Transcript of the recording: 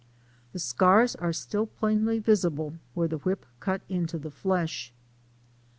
The scars are still plainly visible where the whip cut into the flesh.